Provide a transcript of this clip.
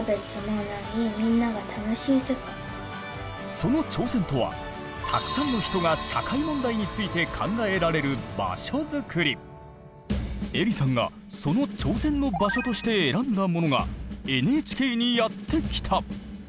その挑戦とはたくさんの人がえりさんがその挑戦の場所として選んだものがＮＨＫにやって来た！